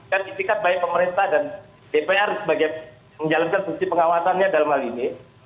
dan intikat baik pemerintah dan dpr sebagai penjaga fungsi pengawasannya dalam hal ini